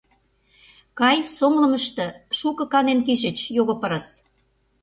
Кай, сомылым ыште, шуко канен кийышыч, його пырыс!